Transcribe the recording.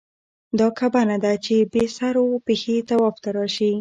دا کعبه نه ده چې بې سر و پښې طواف ته راشې.